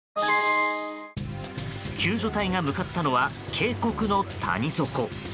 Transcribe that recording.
救助隊が向かったのは渓谷の谷底。